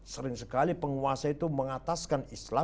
sering sekali penguasa itu mengataskan islam